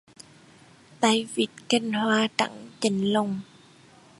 Tay vít cành hoa trắng chạnh lòng